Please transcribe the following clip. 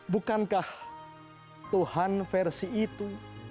bukankah tuhan versi itu